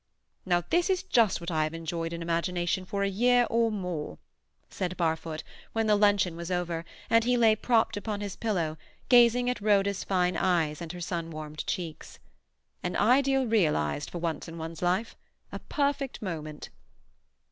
"Now this is just what I have enjoyed in imagination for a year or more," said Barfoot, when the luncheon was over, and he lay propped upon his elbow, gazing at Rhoda's fine eyes and her sun warmed cheeks. "An ideal realized, for once in one's life. A perfect moment."